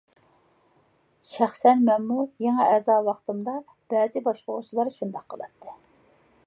شەخسەن مەنمۇ يېڭى ئەزا ۋاقتىمدا بەزى باشقۇرغۇچىلار شۇنداق قىلاتتى.